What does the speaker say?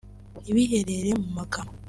ntibiherere mu magambo